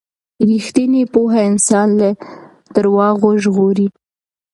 ریښتینې پوهه انسان له درواغو ژغوري.